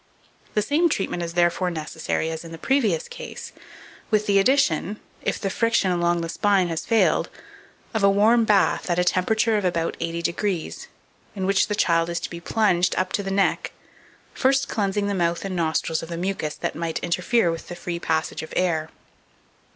The same treatment is therefore necessary as in the previous case, with the addition, if the friction along the spine has failed, of a warm bath at a temperature of about 80°, in which the child is to be plunged up to the neck, first cleansing the mouth and nostrils of the mucus that might interfere with the free passage of air.